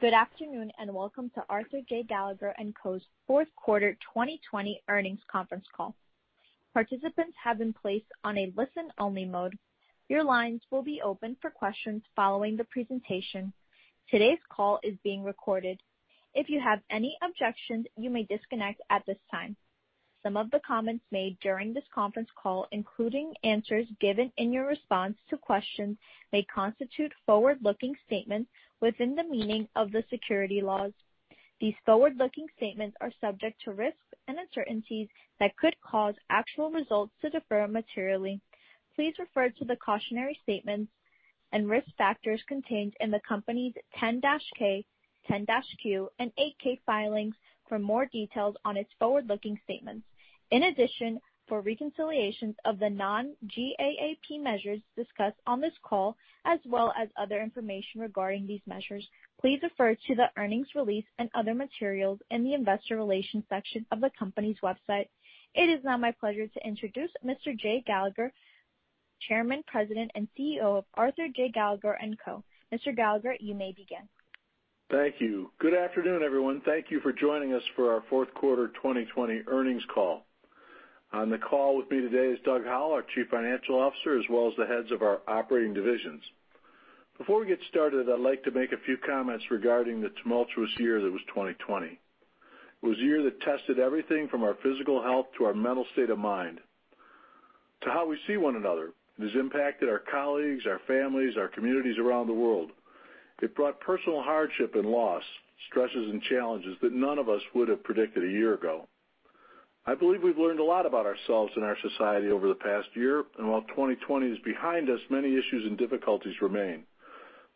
Good afternoon and welcome to Arthur J. Gallagher & Co.'s Q4 2020 earnings conference call. Participants have been placed on a listen-only mode. Your lines will be open for questions following the presentation. Today's call is being recorded. If you have any objections, you may disconnect at this time. Some of the comments made during this conference call, including answers given in your response to questions, may constitute forward-looking statements within the meaning of the securities laws. These forward-looking statements are subject to risks and uncertainties that could cause actual results to differ materially. Please refer to the cautionary statements and risk factors contained in the company's 10-K, 10-Q, and 8-K filings for more details on its forward-looking statements. In addition, for reconciliations of the non-GAAP measures discussed on this call, as well as other information regarding these measures, please refer to the earnings release and other materials in the investor relations section of the company's website. It is now my pleasure to introduce Mr. J. Patrick Gallagher, Chairman, President, and CEO of Arthur J. Gallagher & Co. Mr. Gallagher, you may begin. Thank you. Good afternoon, everyone. Thank you for joining us for our Q4 2020 earnings call. On the call with me today is Doug Howell, our Chief Financial Officer, as well as the heads of our operating divisions. Before we get started, I'd like to make a few comments regarding the tumultuous year that was 2020. It was a year that tested everything from our physical health to our mental state of mind to how we see one another. It has impacted our colleagues, our families, our communities around the world. It brought personal hardship and loss, stresses and challenges that none of us would have predicted a year ago. I believe we've learned a lot about ourselves and our society over the past year, and while 2020 is behind us, many issues and difficulties remain.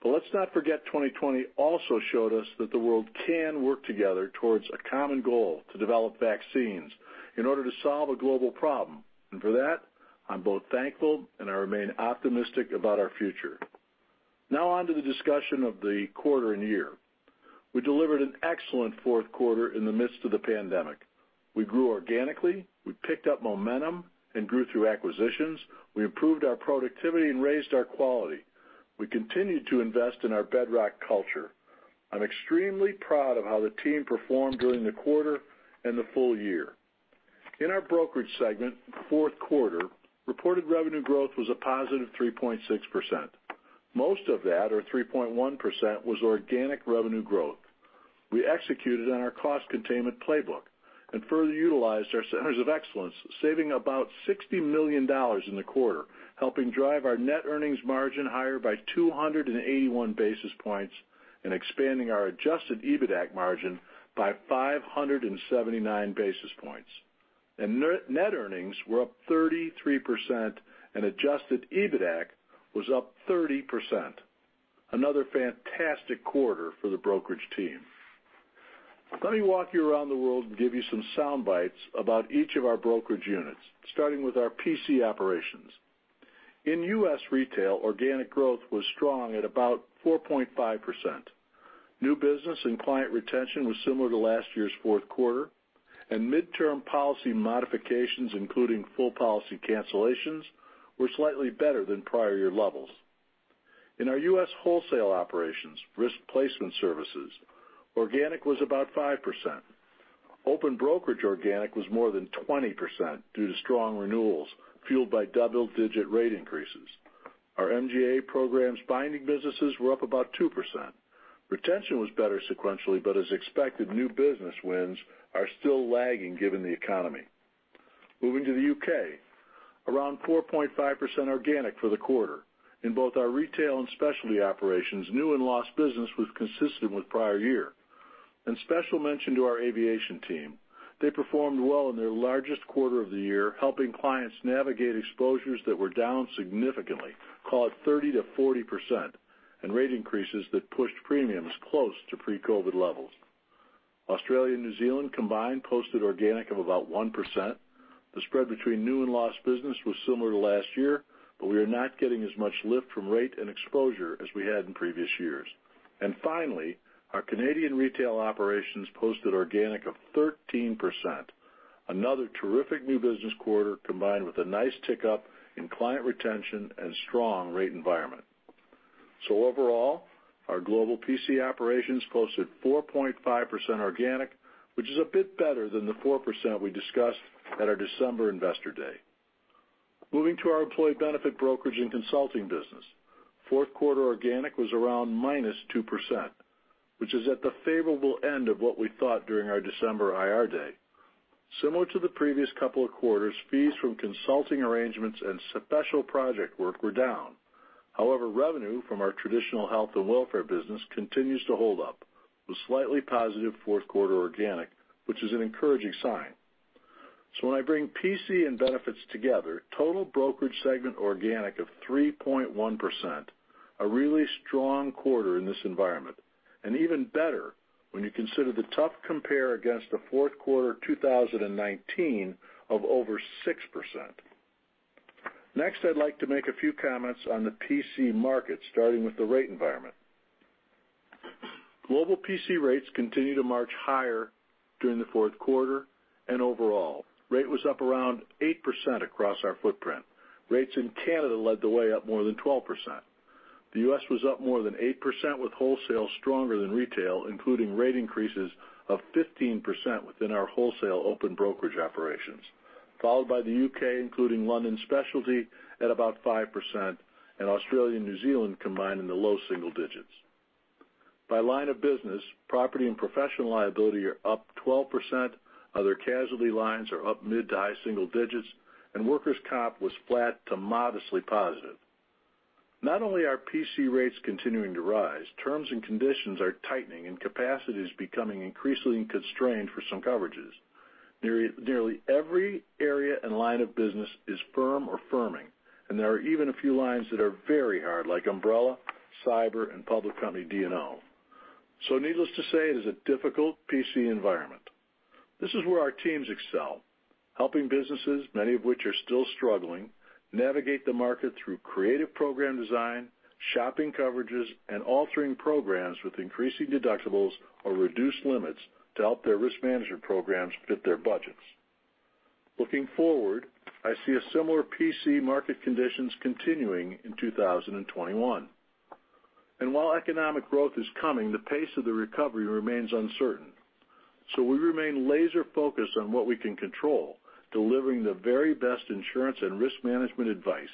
Let's not forget 2020 also showed us that the world can work together towards a common goal to develop vaccines in order to solve a global problem. For that, I'm both thankful and I remain optimistic about our future. Now on to the discussion of the quarter and year. We delivered an excellent Q4 in the midst of the pandemic. We grew organically. We picked up momentum and grew through acquisitions. We improved our productivity and raised our quality. We continued to invest in our bedrock culture. I'm extremely proud of how the team performed during the quarter and the full year. In our brokerage segment, Q4 reported revenue growth was a positive 3.6%. Most of that, or 3.1%, was organic revenue growth. We executed on our cost containment playbook and further utilized our centers of excellence, saving about $60 million in the quarter, helping drive our net earnings margin higher by 281 basis points and expanding our adjusted EBITDA margin by 579 basis points. Net earnings were up 33%, and adjusted EBITDA was up 30%. Another fantastic quarter for the brokerage team. Let me walk you around the world and give you some sound bites about each of our brokerage units, starting with our PC operations. In U.S. retail, organic growth was strong at about 4.5%. New business and client retention was similar to last year's Q4, and midterm policy modifications, including full policy cancellations, were slightly better than prior year levels. In our U.S. wholesale operations, Risk Placement Services, organic was about 5%. Open brokerage organic was more than 20% due to strong renewals fueled by double-digit rate increases. Our MGA programs binding businesses were up about 2%. Retention was better sequentially, but as expected, new business wins are still lagging given the economy. Moving to the U.K., around 4.5% organic for the quarter. In both our retail and specialty operations, new and lost business was consistent with prior year. Special mention to our aviation team. They performed well in their largest quarter of the year, helping clients navigate exposures that were down significantly, called 30-40%, and rate increases that pushed premiums close to pre-COVID levels. Australia and New Zealand combined posted organic of about 1%. The spread between new and lost business was similar to last year, but we are not getting as much lift from rate and exposure as we had in previous years. Finally, our Canadian retail operations posted organic of 13%. Another terrific new business quarter combined with a nice tick up in client retention and strong rate environment. Overall, our global PC operations posted 4.5% organic, which is a bit better than the 4% we discussed at our December investor day. Moving to our employee benefit brokerage and consulting business, Q4 organic was around minus 2%, which is at the favorable end of what we thought during our December IR day. Similar to the previous couple of quarters, fees from consulting arrangements and special project work were down. However, revenue from our traditional health and welfare business continues to hold up, with slightly positive Q4 organic, which is an encouraging sign. When I bring PC and benefits together, total brokerage segment organic of 3.1%, a really strong quarter in this environment. Even better when you consider the tough compare against the Q4 2019 of over 6%. Next, I'd like to make a few comments on the PC market, starting with the rate environment. Global PC rates continue to march higher during the Q4 and overall. Rate was up around 8% across our footprint. Rates in Canada led the way up more than 12%. The U.S. was up more than 8%, with wholesale stronger than retail, including rate increases of 15% within our wholesale open brokerage operations, followed by the U.K., including London specialty at about 5%, and Australia and New Zealand combined in the low single digits. By line of business, property and professional liability are up 12%. Other casualty lines are up mid to high single digits, and workers' comp was flat to modestly positive. Not only are PC rates continuing to rise, terms and conditions are tightening and capacity is becoming increasingly constrained for some coverages. Nearly every area and line of business is firm or firming, and there are even a few lines that are very hard, like umbrella, cyber, and public company D&O. Needless to say, it is a difficult PC environment. This is where our teams excel, helping businesses, many of which are still struggling, navigate the market through creative program design, shopping coverages, and altering programs with increasing deductibles or reduced limits to help their Risk Management programs fit their budgets. Looking forward, I see similar PC market conditions continuing in 2021. While economic growth is coming, the pace of the recovery remains uncertain. We remain laser-focused on what we can control, delivering the very best insurance and Risk Management advice,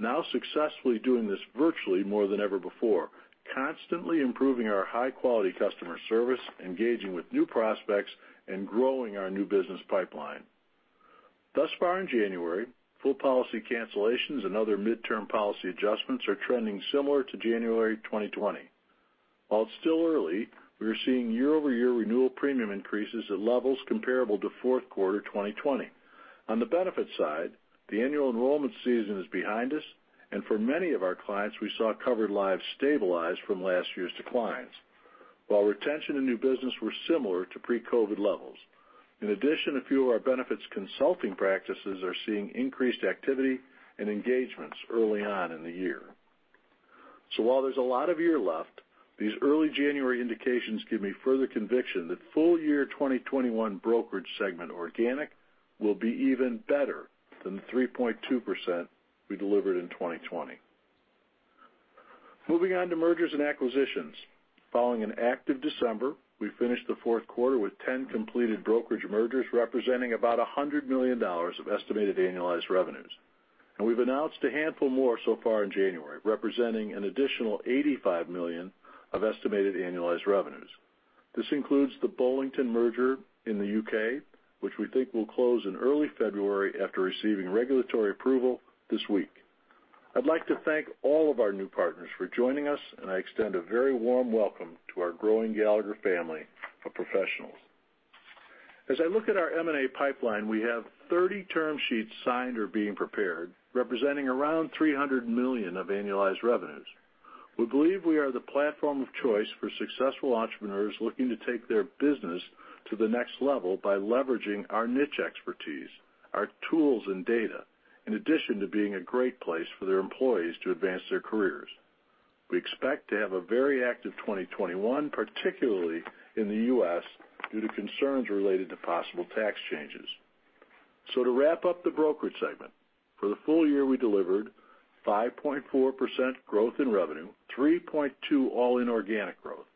now successfully doing this virtually more than ever before, constantly improving our high-quality customer service, engaging with new prospects, and growing our new business pipeline. Thus far in January, full policy cancellations and other midterm policy adjustments are trending similar to January 2020. While it is still early, we are seeing year-over-year renewal premium increases at levels comparable to Q4 2020. On the benefit side, the annual enrollment season is behind us, and for many of our clients, we saw covered lives stabilize from last year's declines, while retention and new business were similar to pre-COVID levels. In addition, a few of our benefits consulting practices are seeing increased activity and engagements early on in the year. While there is a lot of year left, these early January indications give me further conviction that full year 2021 brokerage segment organic will be even better than the 3.2% we delivered in 2020. Moving on to mergers and acquisitions. Following an active December, we finished the Q4 with 10 completed brokerage mergers representing about $100 million of estimated annualized revenues. We have announced a handful more so far in January, representing an additional $85 million of estimated annualized revenues. This includes the Bollington merger in the U.K., which we think will close in early February after receiving regulatory approval this week. I would like to thank all of our new partners for joining us, and I extend a very warm welcome to our growing Gallagher family of professionals. As I look at our M&A pipeline, we have 30 term sheets signed or being prepared, representing around $300 million of annualized revenues. We believe we are the platform of choice for successful entrepreneurs looking to take their business to the next level by leveraging our niche expertise, our tools, and data, in addition to being a great place for their employees to advance their careers. We expect to have a very active 2021, particularly in the U.S., due to concerns related to possible tax changes. To wrap up the brokerage segment, for the full year we delivered 5.4% growth in revenue, 3.2% all in organic growth,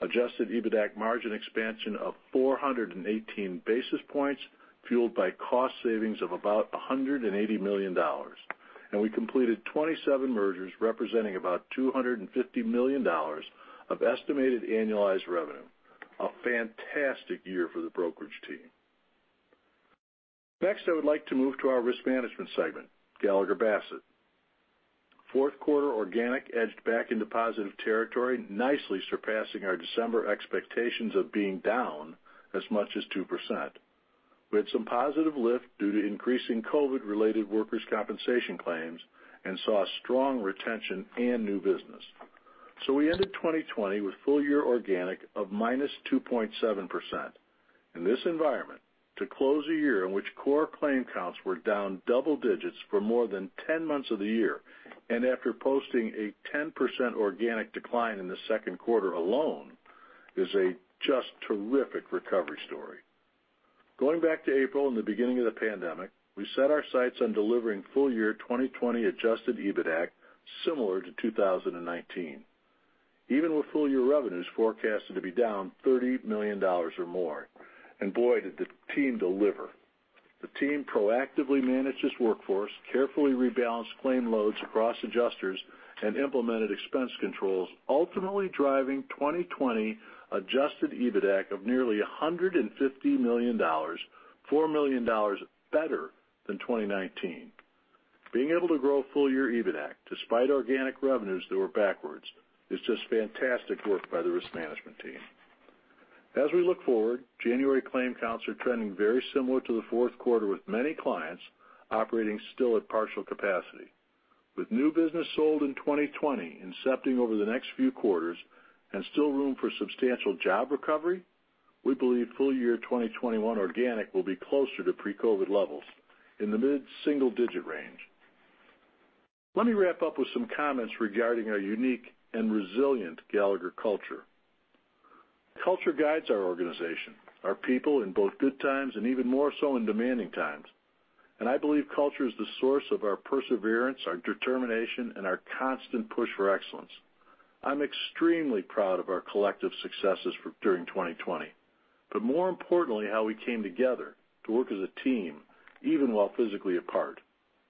adjusted EBITDA margin expansion of 418 basis points fueled by cost savings of about $180 million. We completed 27 mergers representing about $250 million of estimated annualized revenue. A fantastic year for the brokerage team. Next, I would like to move to our Risk Management segment, Gallagher Bassett. Q4 organic edged back into positive territory, nicely surpassing our December expectations of being down as much as 2%. We had some positive lift due to increasing COVID-related workers' compensation claims and saw strong retention and new business. We ended 2020 with full year organic of minus 2.7%. In this environment, to close a year in which core claim counts were down double digits for more than 10 months of the year, and after posting a 10% organic decline in the second quarter alone, is a just terrific recovery story. Going back to April and the beginning of the pandemic, we set our sights on delivering full year 2020 adjusted EBITDA similar to 2019, even with full year revenues forecasted to be down $30 million or more. Boy, did the team deliver. The team proactively managed its workforce, carefully rebalanced claim loads across adjusters, and implemented expense controls, ultimately driving 2020 adjusted EBITDA of nearly $150 million, $4 million better than 2019. Being able to grow full year EBITDA despite organic revenues that were backwards is just fantastic work by the Risk Management team. As we look forward, January claim counts are trending very similar to the Q4, with many clients operating still at partial capacity. With new business sold in 2020 incepting over the next few quarters and still room for substantial job recovery, we believe full year 2021 organic will be closer to pre-COVID levels in the mid single digit range. Let me wrap up with some comments regarding our unique and resilient Gallagher culture. Culture guides our organization, our people in both good times and even more so in demanding times. I believe culture is the source of our perseverance, our determination, and our constant push for excellence. I'm extremely proud of our collective successes during 2020, but more importantly, how we came together to work as a team even while physically apart.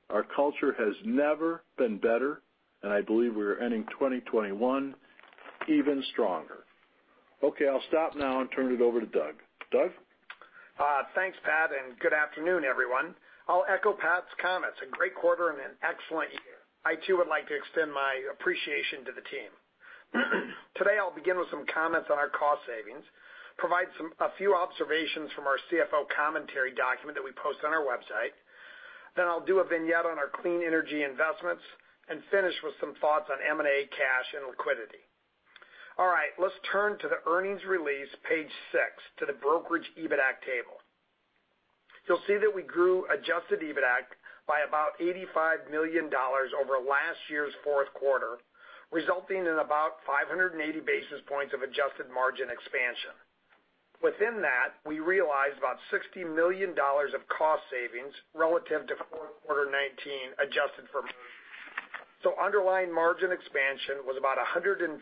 Our culture has never been better, and I believe we are ending 2021 even stronger. I'll stop now and turn it over to Doug. Doug? Thanks, Pat, and good afternoon, everyone. I'll echo Pat's comments. A great quarter and an excellent year. I too would like to extend my appreciation to the team. Today, I'll begin with some comments on our cost savings, provide a few observations from our CFO commentary document that we post on our website. I'll do a vignette on our clean energy investments and finish with some thoughts on M&A cash and liquidity. All right, let's turn to the earnings release page six to the brokerage EBITDA table. You'll see that we grew adjusted EBITDA by about $85 million over last year's Q4, resulting in about 580 basis points of adjusted margin expansion. Within that, we realized about $60 million of cost savings relative to Q4 2019 adjusted for mergers. So underlying margin expansion was about 115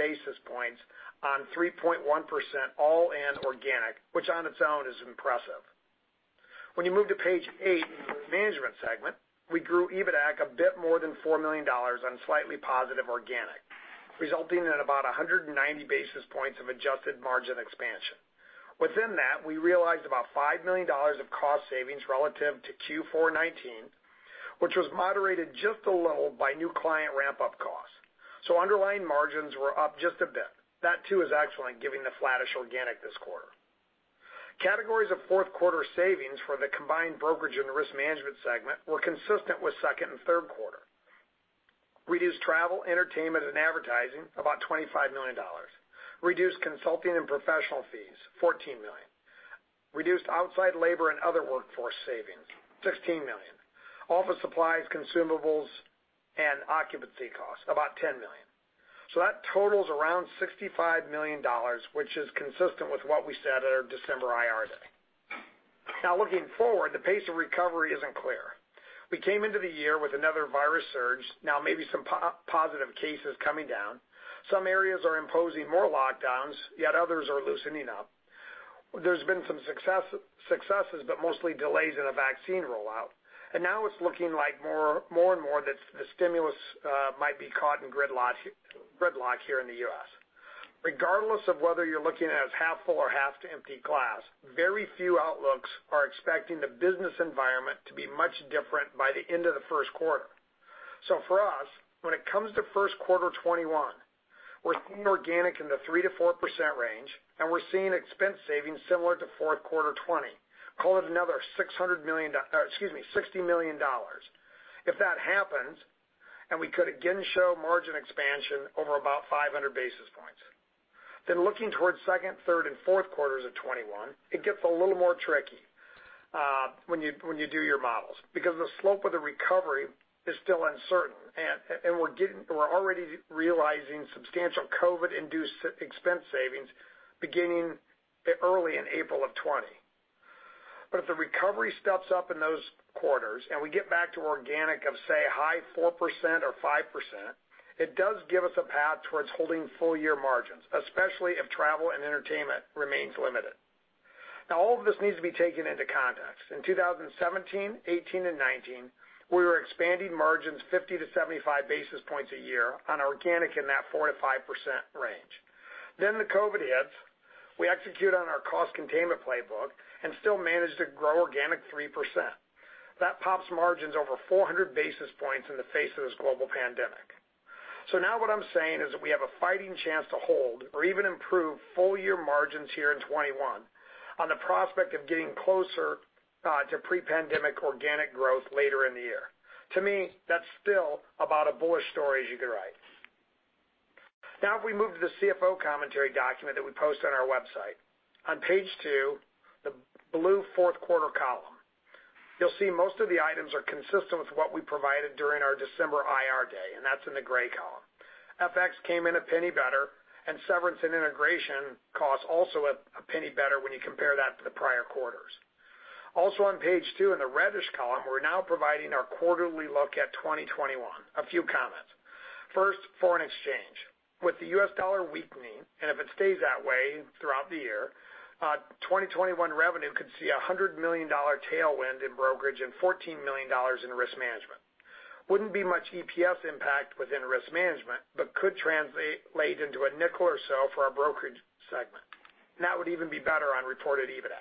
basis points on 3.1% all in organic, which on its own is impressive. When you move to page eight in the management segment, we grew EBITDA a bit more than $4 million on slightly positive organic, resulting in about 190 basis points of adjusted margin expansion. Within that, we realized about $5 million of cost savings relative to Q4 2019, which was moderated just a little by new client ramp-up costs. So underlying margins were up just a bit. That too is excellent, giving the flattish organic this quarter. Categories of Q4 savings for the combined brokerage and Risk Management segment were consistent with second and Q3. We used travel, entertainment, and advertising about $25 million. We reduced consulting and professional fees $14 million. We reduced outside labor and other workforce savings $16 million. Office supplies, consumables, and occupancy costs about $10 million. That totals around $65 million, which is consistent with what we said at our December IR day. Now, looking forward, the pace of recovery isn't clear. We came into the year with another virus surge, now maybe some positive cases coming down. Some areas are imposing more lockdowns, yet others are loosening up. There's been some successes, but mostly delays in a vaccine rollout. It is looking like more and more that the stimulus might be caught in gridlock here in the U.S. Regardless of whether you're looking at half-full or half-empty glass, very few outlooks are expecting the business environment to be much different by the end of the Q1. For us, when it comes to Q1 2021, we're seeing organic in the 3%-4% range, and we're seeing expense savings similar to Q4 2020. Call it another $600 million—excuse me, $60 million. If that happens, and we could again show margin expansion over about 500 basis points. Looking towards second, third, and Q4s of 2021, it gets a little more tricky when you do your models because the slope of the recovery is still uncertain, and we're already realizing substantial COVID-induced expense savings beginning early in April of 2020. If the recovery steps up in those quarters and we get back to organic of, say, high 4% or 5%, it does give us a path towards holding full year margins, especially if travel and entertainment remains limited. Now, all of this needs to be taken into context. In 2017, 2018, and 2019, we were expanding margins 50 to 75 basis points a year on organic in that 4%-5% range. The COVID hits, we execute on our cost containment playbook and still managed to grow organic 3%. That pops margins over 400 basis points in the face of this global pandemic. What I'm saying is that we have a fighting chance to hold or even improve full year margins here in 2021 on the prospect of getting closer to pre-pandemic organic growth later in the year. To me, that's still about as bullish a story as you could write. Now, if we move to the CFO commentary document that we post on our website, on page two, the blue Q4 column, you'll see most of the items are consistent with what we provided during our December IR day, and that's in the gray column. FX came in a penny better, and severance and integration costs also a penny better when you compare that to the prior quarters. Also, on page two in the reddish column, we're now providing our quarterly look at 2021. A few comments. First, foreign exchange. With the U.S. dollar weakening, and if it stays that way throughout the year, 2021 revenue could see a $100 million tailwind in brokerage and $14 million in Risk Management. Wouldn't be much EPS impact within Risk Management, but could translate into a nickel or so for our brokerage segment. That would even be better on reported EBITDA.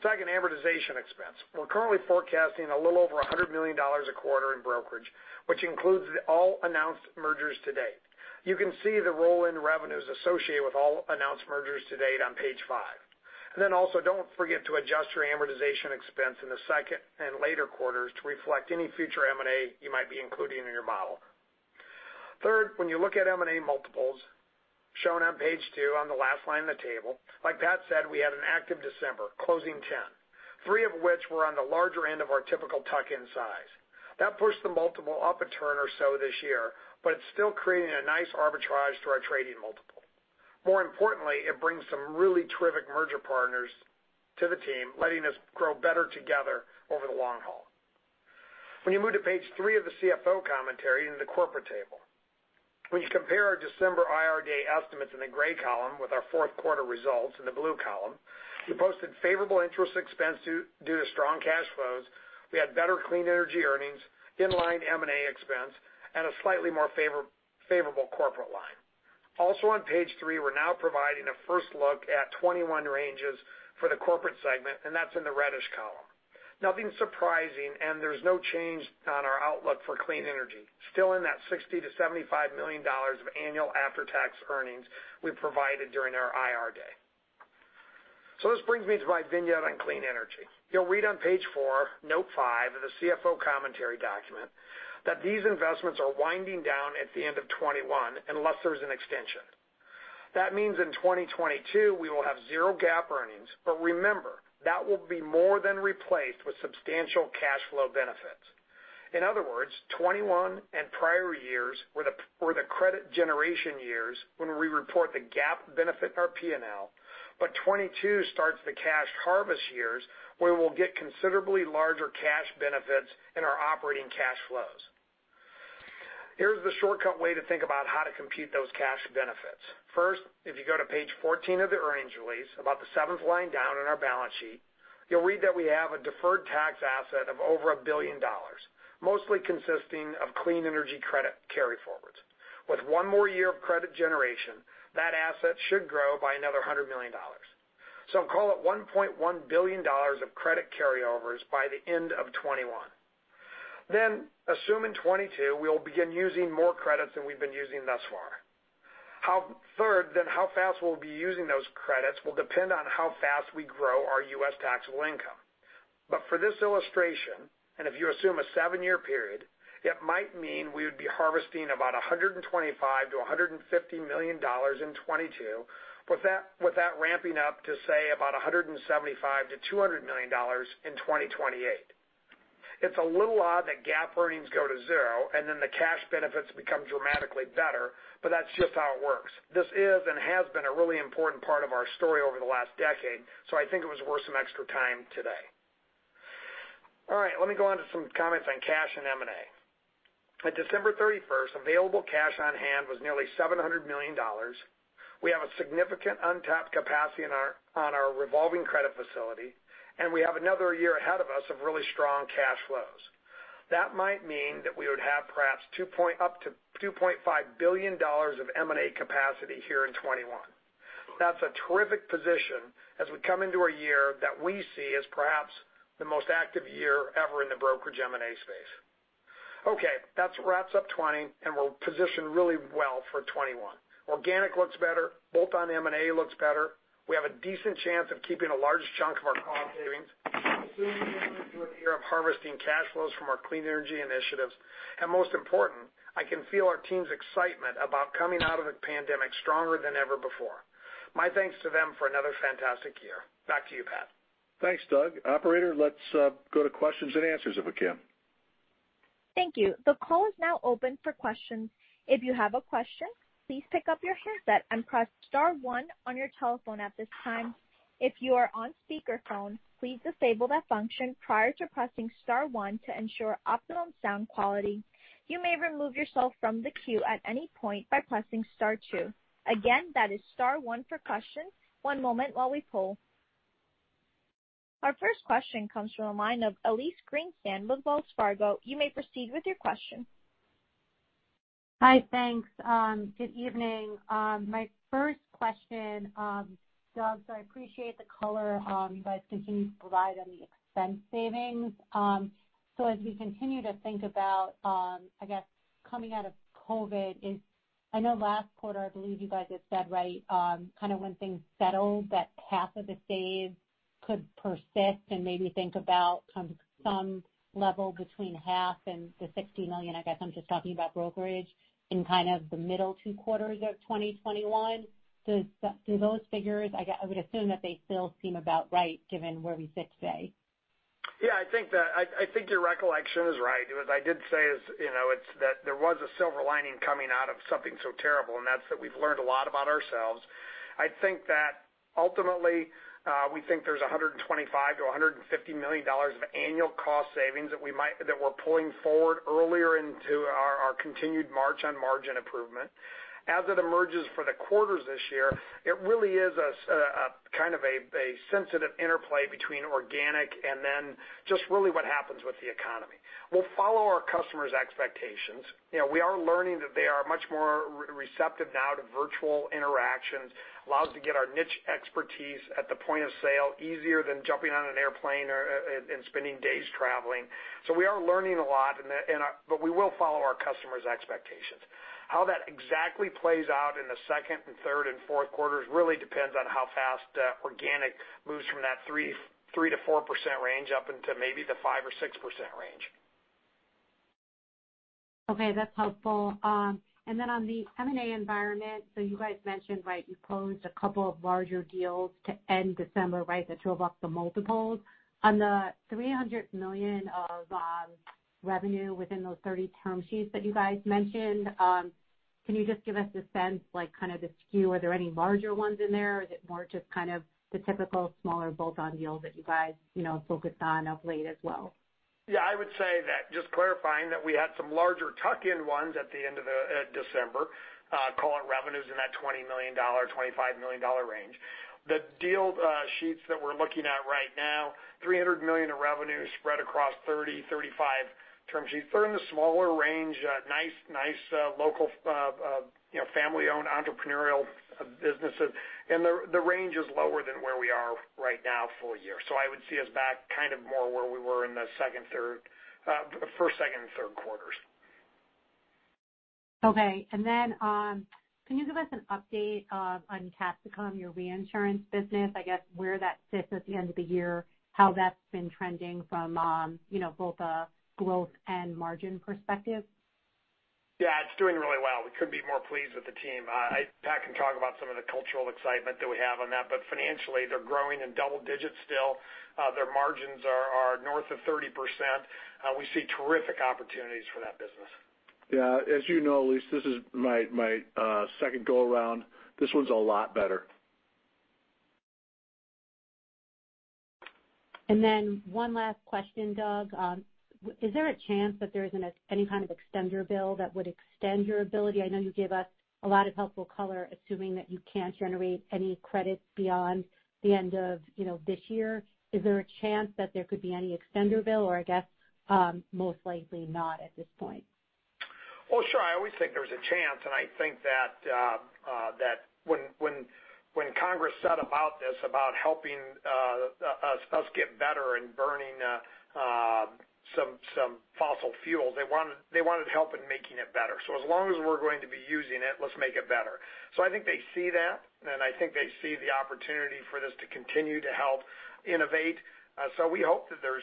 Second, amortization expense. We're currently forecasting a little over $100 million a quarter in brokerage, which includes all announced mergers to date. You can see the roll-in revenues associated with all announced mergers to date on page five. Also, don't forget to adjust your amortization expense in the second and later quarters to reflect any future M&A you might be including in your model. Third, when you look at M&A multiples shown on page two on the last line of the table, like Pat said, we had an active December closing 10, three of which were on the larger end of our typical tuck-in size. That pushed the multiple up a turn or so this year, but it's still creating a nice arbitrage to our trading multiple. More importantly, it brings some really terrific merger partners to the team, letting us grow better together over the long haul. When you move to page three of the CFO commentary in the corporate table, when you compare our December IR day estimates in the gray column with our Q4 results in the blue column, we posted favorable interest expense due to strong cash flows. We had better clean energy earnings, inline M&A expense, and a slightly more favorable corporate line. Also, on page three, we're now providing a first look at 2021 ranges for the corporate segment, and that's in the reddish column. Nothing surprising, and there's no change on our outlook for clean energy, still in that $60 million-$75 million of annual after-tax earnings we provided during our IR day. This brings me to my vignette on clean energy. You'll read on page four, note five of the CFO commentary document that these investments are winding down at the end of 2021 unless there's an extension. That means in 2022, we will have zero GAAP earnings, but remember, that will be more than replaced with substantial cash flow benefits. In other words, 2021 and prior years were the credit generation years when we report the GAAP benefit in our P&L, but 2022 starts the cash harvest years where we'll get considerably larger cash benefits in our operating cash flows. Here's the shortcut way to think about how to compute those cash benefits. First, if you go to page 14 of the earnings release, about the seventh line down in our balance sheet, you'll read that we have a deferred tax asset of over $1 billion, mostly consisting of clean energy credit carryforwards. With one more year of credit generation, that asset should grow by another $100 million. Call it $1.1 billion of credit carryovers by the end of 2021. Assume in 2022, we'll begin using more credits than we've been using thus far. Third, how fast we'll be using those credits will depend on how fast we grow our U.S. taxable income. For this illustration, and if you assume a seven-year period, it might mean we would be harvesting about $125 million-$150 million in 2022, with that ramping up to about $175 million-$200 million in 2028. It's a little odd that GAAP earnings go to zero and then the cash benefits become dramatically better, but that's just how it works. This is and has been a really important part of our story over the last decade, so I think it was worth some extra time today. All right, let me go on to some comments on cash and M&A. At December 31, available cash on hand was nearly $700 million. We have a significant untapped capacity on our revolving credit facility, and we have another year ahead of us of really strong cash flows. That might mean that we would have perhaps $2.5 billion of M&A capacity here in 2021. That's a terrific position as we come into a year that we see as perhaps the most active year ever in the brokerage M&A space. Okay, that wraps up 2020, and we're positioned really well for 2021. Organic looks better. Bolt-on M&A looks better. We have a decent chance of keeping a large chunk of our cost savings. Assuming we're in a year of harvesting cash flows from our clean energy initiatives. Most important, I can feel our team's excitement about coming out of the pandemic stronger than ever before. My thanks to them for another fantastic year. Back to you, Pat. Thanks, Doug. Operator, let's go to questions and answers if we can. Thank you. The call is now open for questions. If you have a question, please pick up your headset and press star one on your telephone at this time. If you are on speakerphone, please disable that function prior to pressing star one to ensure optimum sound quality. You may remove yourself from the queue at any point by pressing star two. Again, that is star one for questions. One moment while we pull. Our first question comes from a line of Elyse Greenspan with Wells Fargo. You may proceed with your question. Hi, thanks. Good evening. My first question, Doug, I appreciate the color you guys continue to provide on the expense savings. As we continue to think about, I guess, coming out of COVID, I know last quarter, I believe you guys had said, right, kind of when things settled, that half of the saves could persist and maybe think about some level between half and the $60 million, I guess I'm just talking about brokerage, in kind of the middle two quarters of 2021. Do those figures, I would assume that they still seem about right given where we sit today? Yeah, I think your recollection is right. What I did say is that there was a silver lining coming out of something so terrible, and that's that we've learned a lot about ourselves. I think that ultimately we think there's $125 million-$150 million of annual cost savings that we're pulling forward earlier into our continued march on margin improvement. As it emerges for the quarters this year, it really is kind of a sensitive interplay between organic and then just really what happens with the economy. We'll follow our customers' expectations. We are learning that they are much more receptive now to virtual interactions. It allows us to get our niche expertise at the point of sale easier than jumping on an airplane and spending days traveling. We are learning a lot, but we will follow our customers' expectations. How that exactly plays out in the second, third, and Q4s really depends on how fast organic moves from that 3-4% range up into maybe the 5-6% range. Okay, that's helpful. Then on the M&A environment, you guys mentioned, right, you closed a couple of larger deals to end December, right, that drove up the multiples. On the $300 million of revenue within those 30 term sheets that you guys mentioned, can you just give us a sense, kind of the skew? Are there any larger ones in there, or is it more just kind of the typical smaller bolt-on deals that you guys focused on of late as well? Yeah, I would say that, just clarifying that we had some larger tuck-in ones at the end of December, call it revenues in that $20 million-$25 million range. The deal sheets that we're looking at right now, $300 million of revenue spread across 30-35 term sheets. They're in the smaller range, nice local family-owned entrepreneurial businesses, and the range is lower than where we are right now full year. I would see us back kind of more where we were in the second, third, first, second, and Q3s. Okay. Can you give us an update on Capsicum, your reinsurance business, I guess, where that sits at the end of the year, how that's been trending from both a growth and margin perspective? Yeah, it's doing really well. We couldn't be more pleased with the team. Pat can talk about some of the cultural excitement that we have on that, but financially, they're growing in double digits still. Their margins are north of 30%. We see terrific opportunities for that business. Yeah. As you know, Elyse, this is my second go around. This one's a lot better. And then one last question, Doug. Is there a chance that there isn't any kind of extender bill that would extend your ability? I know you gave us a lot of helpful color, assuming that you can't generate any credits beyond the end of this year. Is there a chance that there could be any extender bill, or I guess most likely not at this point? Sure. I always think there's a chance, and I think that when Congress said about this, about helping us get better in burning some fossil fuels, they wanted help in making it better. As long as we're going to be using it, let's make it better. I think they see that, and I think they see the opportunity for this to continue to help innovate. We hope that there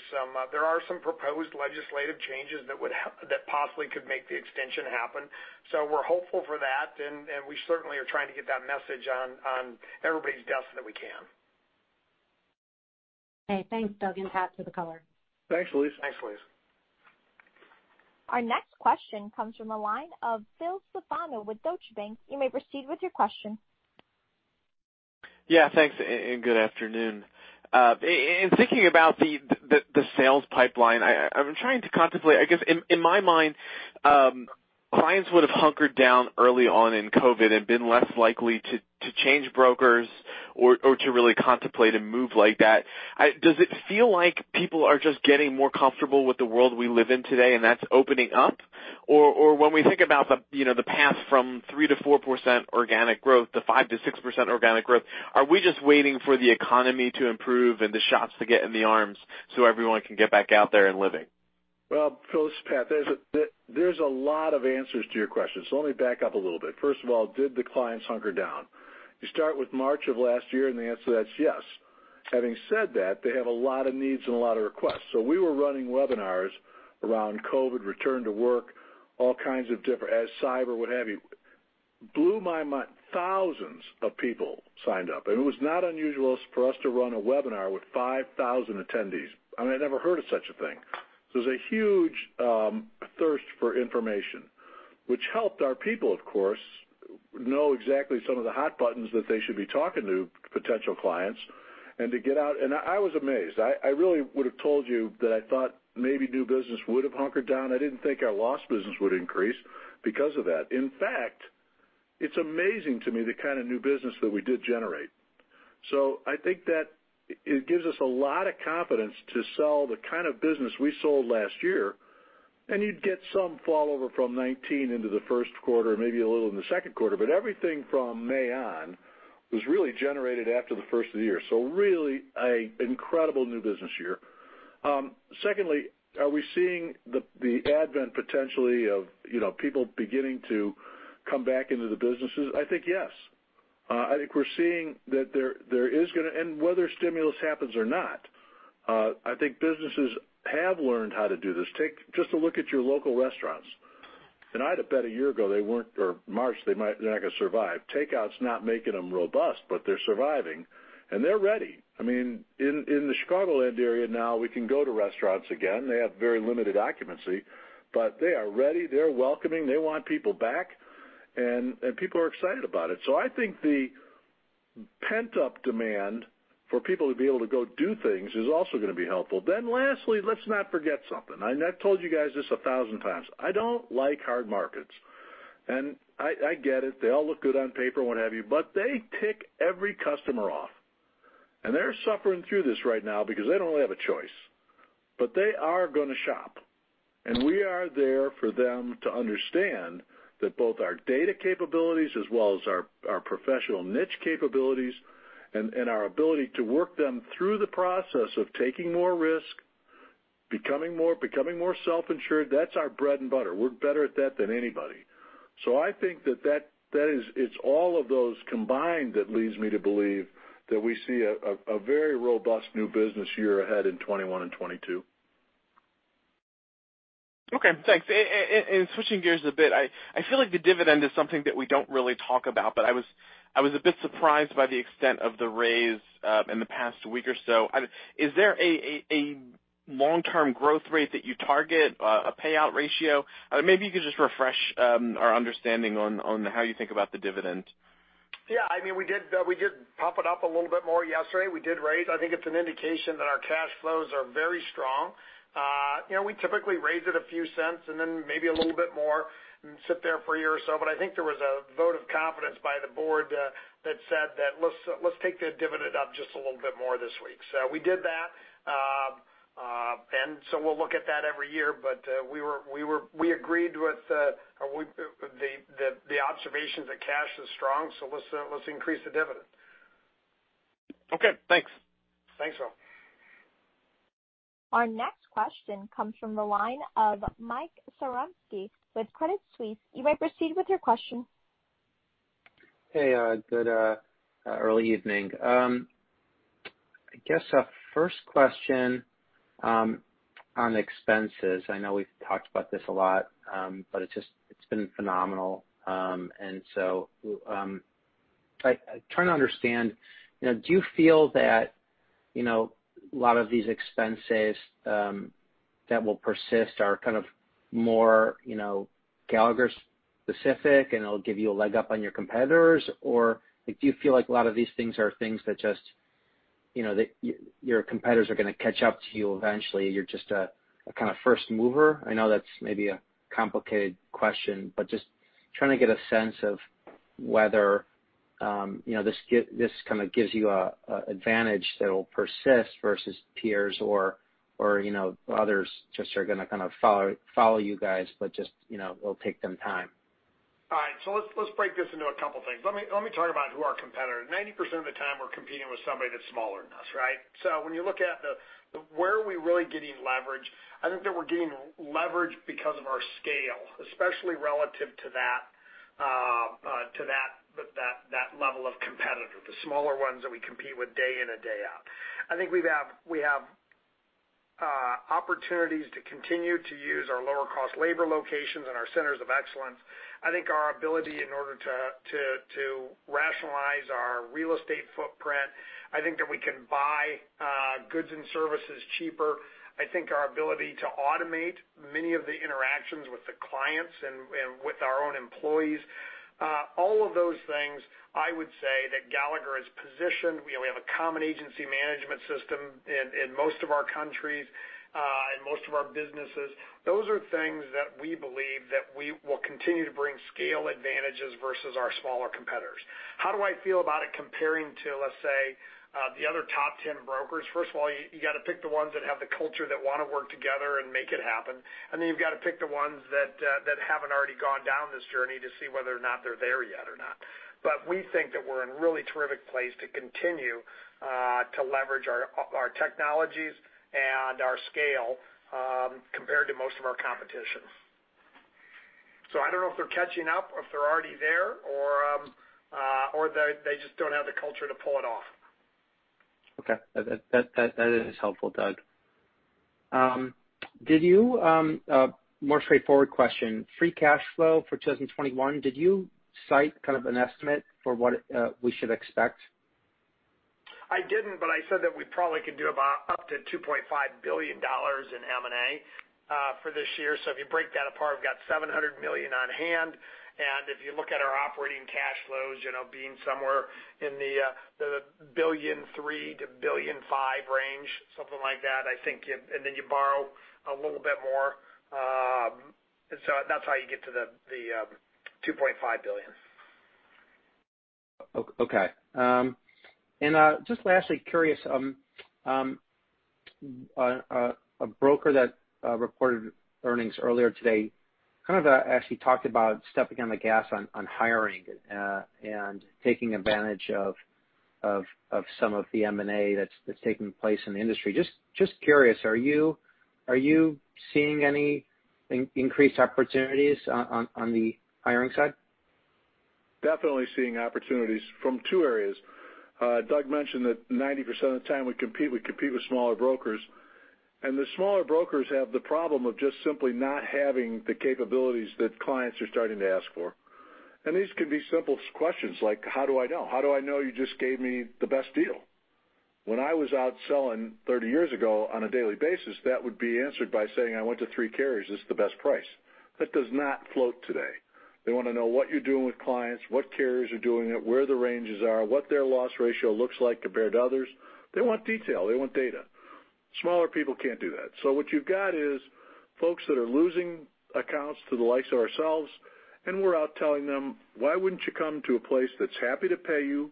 are some proposed legislative changes that possibly could make the extension happen. We are hopeful for that, and we certainly are trying to get that message on everybody's desk that we can. Okay. Thanks, Doug and Pat, for the color. Thanks, Elyse. Thanks, Elyse. Our next question comes from a line of Phil Stefano with Deutsche Bank. You may proceed with your question. Yeah, thanks. Good afternoon. In thinking about the sales pipeline, I'm trying to contemplate, I guess, in my mind, clients would have hunkered down early on in COVID and been less likely to change brokers or to really contemplate a move like that. Does it feel like people are just getting more comfortable with the world we live in today and that's opening up? Or when we think about the path from 3-4% organic growth to 5-6% organic growth, are we just waiting for the economy to improve and the shots to get in the arms so everyone can get back out there and living? Phils, Pat, there's a lot of answers to your questions. Let me back up a little bit. First of all, did the clients hunker down? You start with March of last year, and the answer to that's yes. Having said that, they have a lot of needs and a lot of requests. We were running webinars around COVID, return to work, all kinds of different as cyber, what have you. Blue MyMont, thousands of people signed up. It was not unusual for us to run a webinar with 5,000 attendees. I mean, I'd never heard of such a thing. There is a huge thirst for information, which helped our people, of course, know exactly some of the hot buttons that they should be talking to potential clients and to get out. I was amazed. I really would have told you that I thought maybe new business would have hunkered down. I did not think our lost business would increase because of that. In fact, it is amazing to me the kind of new business that we did generate. I think that it gives us a lot of confidence to sell the kind of business we sold last year, and you would get some fallover from 2019 into the Q1, maybe a little in the second quarter. Everything from May on was really generated after the first of the year. Really an incredible new business year. Secondly, are we seeing the advent potentially of people beginning to come back into the businesses? I think yes. I think we're seeing that there is going to be—and whether stimulus happens or not, I think businesses have learned how to do this. Take just a look at your local restaurants. I'd have bet a year ago they weren't—or March, they're not going to survive. Takeout's not making them robust, but they're surviving, and they're ready. I mean, in the Chicagoland area now, we can go to restaurants again. They have very limited occupancy, but they are ready. They're welcoming. They want people back, and people are excited about it. I think the pent-up demand for people to be able to go do things is also going to be helpful. Lastly, let's not forget something. I told you guys this a thousand times. I don't like hard markets, and I get it. They all look good on paper and what have you, but they tick every customer off. They are suffering through this right now because they don't really have a choice, but they are going to shop. We are there for them to understand that both our data capabilities as well as our professional niche capabilities and our ability to work them through the process of taking more risk, becoming more self-insured, that's our bread and butter. We're better at that than anybody. I think that it's all of those combined that leads me to believe that we see a very robust new business year ahead in 2021 and 2022. Okay. Thanks. Switching gears a bit, I feel like the dividend is something that we do not really talk about, but I was a bit surprised by the extent of the raise in the past week or so. Is there a long-term growth rate that you target, a payout ratio? Maybe you could just refresh our understanding on how you think about the dividend. Yeah. I mean, we did puff it up a little bit more yesterday. We did raise. I think it is an indication that our cash flows are very strong. We typically raise it a few cents and then maybe a little bit more and sit there for a year or so. I think there was a vote of confidence by the board that said that, "Let's take the dividend up just a little bit more this week." We did that, and we'll look at that every year. We agreed with the observations that cash is strong, so let's increase the dividend. Okay. Thanks. Thanks, Phil. Our next question comes from the line of Mike Sarver with Credit Suisse. You may proceed with your question. Hey, good early evening. I guess our first question on expenses, I know we've talked about this a lot, but it's been phenomenal. I'm trying to understand, do you feel that a lot of these expenses that will persist are kind of more Gallagher-specific and it'll give you a leg up on your competitors? Do you feel like a lot of these things are things that just your competitors are going to catch up to you eventually? You're just a kind of first mover? I know that's maybe a complicated question, but just trying to get a sense of whether this kind of gives you an advantage that will persist versus peers or others just are going to kind of follow you guys, but just it'll take them time. All right. Let's break this into a couple of things. Let me talk about who our competitor is. Ninety percent of the time, we're competing with somebody that's smaller than us, right? When you look at where are we really getting leverage, I think that we're getting leverage because of our scale, especially relative to that level of competitor, the smaller ones that we compete with day in and day out. I think we have opportunities to continue to use our lower-cost labor locations and our centers of excellence. I think our ability in order to rationalize our real estate footprint, I think that we can buy goods and services cheaper. I think our ability to automate many of the interactions with the clients and with our own employees, all of those things, I would say that Gallagher is positioned. We have a common agency management system in most of our countries and most of our businesses. Those are things that we believe that we will continue to bring scale advantages versus our smaller competitors. How do I feel about it comparing to, let's say, the other top 10 brokers? First of all, you got to pick the ones that have the culture that want to work together and make it happen. You have to pick the ones that have not already gone down this journey to see whether or not they are there yet or not. We think that we are in a really terrific place to continue to leverage our technologies and our scale compared to most of our competition. I do not know if they are catching up or if they are already there or they just do not have the culture to pull it off. Okay. That is helpful, Doug. Did you—more straightforward question—free cash flow for 2021, did you cite kind of an estimate for what we should expect? I did not, but I said that we probably could do up to $2.5 billion in M&A for this year. If you break that apart, we have $700 million on hand. If you look at our operating cash flows being somewhere in the $1.3 billion-$1.5 billion range, something like that, I think. You borrow a little bit more, and so that's how you get to the $2.5 billion. Okay. Just lastly, curious, a broker that reported earnings earlier today actually talked about stepping on the gas on hiring and taking advantage of some of the M&A that's taking place in the industry. Just curious, are you seeing any increased opportunities on the hiring side? Definitely seeing opportunities from two areas. Doug mentioned that 90% of the time we compete, we compete with smaller brokers. The smaller brokers have the problem of just simply not having the capabilities that clients are starting to ask for. These can be simple questions like, "How do I know? How do I know you just gave me the best deal? When I was out selling 30 years ago on a daily basis, that would be answered by saying, "I went to three carriers. This is the best price." That does not float today. They want to know what you're doing with clients, what carriers are doing it, where the ranges are, what their loss ratio looks like compared to others. They want detail. They want data. Smaller people can't do that. What you've got is folks that are losing accounts to the likes of ourselves, and we're out telling them, "Why wouldn't you come to a place that's happy to pay you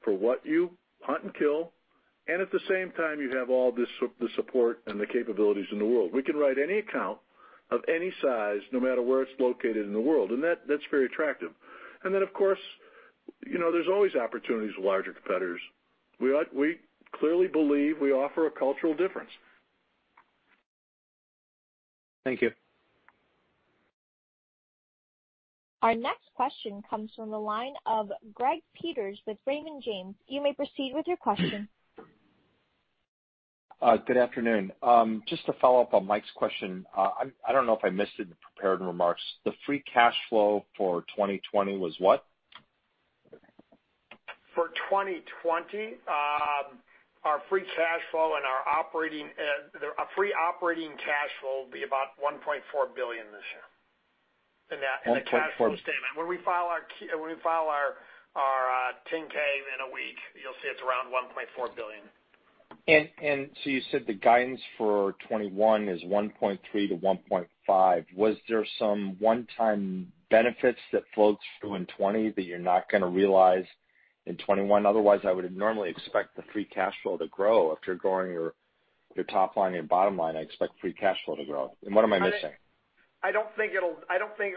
for what you hunt and kill?" At the same time, you have all the support and the capabilities in the world. We can write any account of any size, no matter where it's located in the world, and that's very attractive. Of course, there's always opportunities with larger competitors. We clearly believe we offer a cultural difference. Thank you. Our next question comes from the line of Greg Peters with Raymond James. You may proceed with your question. Good afternoon. Just to follow up on Mike's question, I don't know if I missed it in the prepared remarks. The free cash flow for 2020 was what? For 2020, our free cash flow and our operating, free operating cash flow will be about $1.4 billion this year. That cash flow statement, when we file our 10-K in a week, you'll see it's around $1.4 billion. You said the guidance for 2021 is $1.3 billion-$1.5 billion. Was there some one-time benefits that flowed through in 2020 that you're not going to realize in 2021? Otherwise, I would have normally expected the free cash flow to grow. If you're growing your top line and your bottom line, I expect free cash flow to grow. What am I missing? I don't think it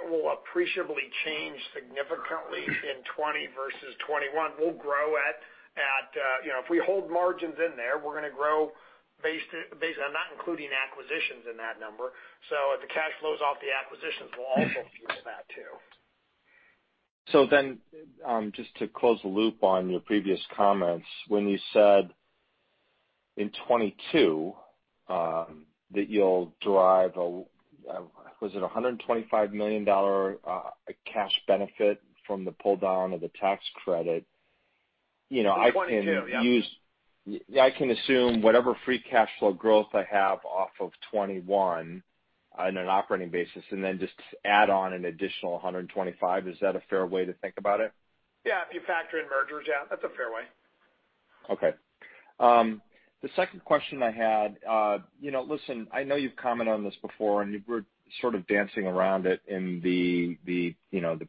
will appreciably change significantly in 2020 versus 2021. We'll grow at—if we hold margins in there, we're going to grow based on not including acquisitions in that number. If the cash flows off the acquisitions, we'll also fuel that too. Just to close the loop on your previous comments, when you said in 2022 that you'll drive a—was it a $125 million cash benefit from the pull-down of the tax credit? I can assume whatever free cash flow growth I have off of 2021 on an operating basis and then just add on an additional 125. Is that a fair way to think about it? Yeah. If you factor in mergers, yeah, that's a fair way. Okay. The second question I had—listen, I know you've commented on this before, and we're sort of dancing around it in the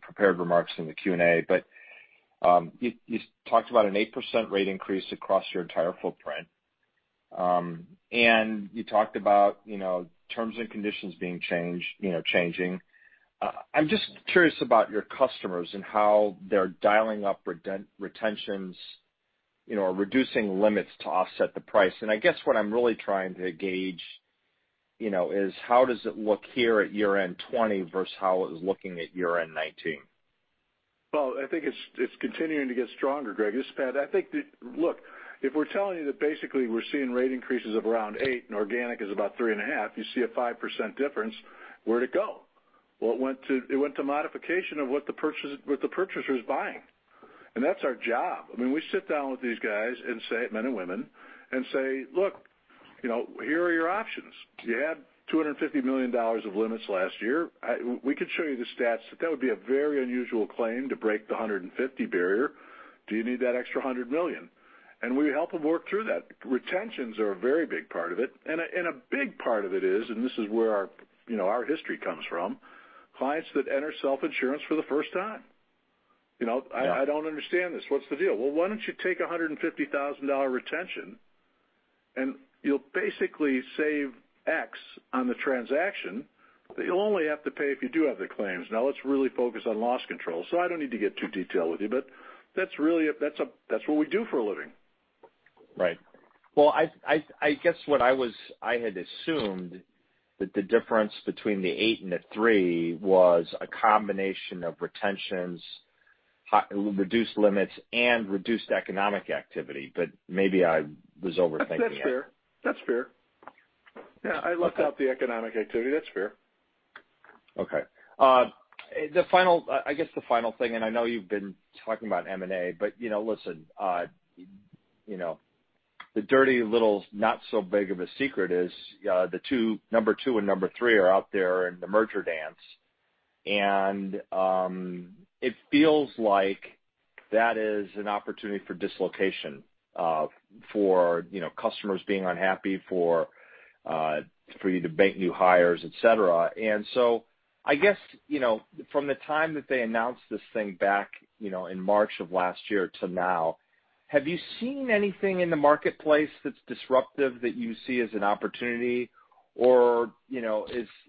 prepared remarks and the Q&A, but you talked about an 8% rate increase across your entire footprint. And you talked about terms and conditions being changing. I'm just curious about your customers and how they're dialing up retentions or reducing limits to offset the price. And I guess what I'm really trying to gauge is how does it look here at year-end 2020 versus how it was looking at year-end 2019? I think it's continuing to get stronger, Greg. I think that, look, if we're telling you that basically we're seeing rate increases of around 8% and organic is about 3.5%, you see a 5% difference. Where'd it go? It went to modification of what the purchaser is buying. That's our job. I mean, we sit down with these guys and men and women and say, "Look, here are your options. You had $250 million of limits last year. We can show you the stats that that would be a very unusual claim to break the $150 million barrier. Do you need that extra $100 million?" We help them work through that. Retentions are a very big part of it. A big part of it is, and this is where our history comes from, clients that enter self-insurance for the first time. I don't understand this. What's the deal? Why don't you take a $150,000 retention, and you'll basically save X on the transaction that you'll only have to pay if you do have the claims. Now, let's really focus on loss control. I don't need to get too detailed with you, but that's what we do for a living. Right. I guess what I had assumed that the difference between the 8 and the 3 was a combination of retentions, reduced limits, and reduced economic activity. Maybe I was overthinking it. That's fair. That's fair. I left out the economic activity. That's fair. Okay. I guess the final thing—I know you've been talking about M&A—but listen, the dirty little not-so-big-of-a-secret is the number two and number three are out there in the merger dance. It feels like that is an opportunity for dislocation, for customers being unhappy, for you to make new hires, etc. I guess from the time that they announced this thing back in March of last year to now, have you seen anything in the marketplace that's disruptive that you see as an opportunity?